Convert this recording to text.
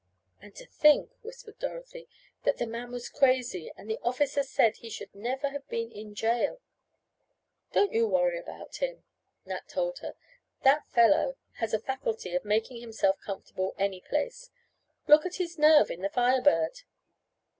"And to think," whispered Dorothy, "that the man was crazy, and the officer said he should never have been in jail!" "Don't you worry about him," Nat told her. "That fellow has the faculty of making himself comfortable any place. Look at his nerve in the Fire Bird."